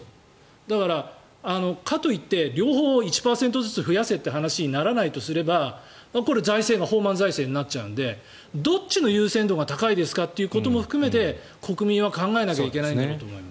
だから、かといって両方１％ずつ増やせという話にならないとすればこれ、財政が放漫財政になっちゃうのでどっちの優先度が高いですかということも含めて国民は考えなきゃいけないと。